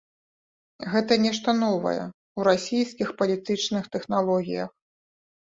Гэта нешта новае ў расійскіх палітычных тэхналогіях.